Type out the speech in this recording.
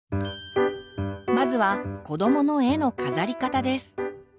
まずは子どもの絵の飾り方です。